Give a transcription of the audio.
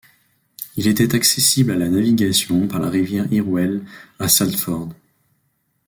Il était accessible à la navigation par la Rivière Irwell à Salford.